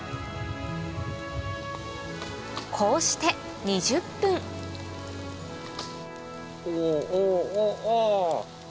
こうして２０分うおおおっお。